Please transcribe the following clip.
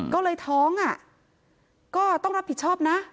ก็เลยท้องก็ต้องรับผิดชอบนะ